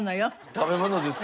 食べ物ですか？